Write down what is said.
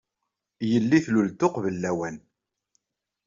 Yelli tlul-d uqbel lawan.